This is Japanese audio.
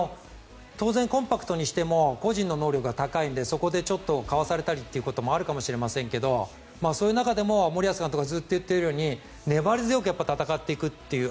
当然、コンパクトにしても個人の能力が高いのでそこでちょっとかわされたりということもあるかもしれませんがそういう中でも森保監督がずっと言っているように粘り強く戦っていくという。